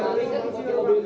karena coba yang lain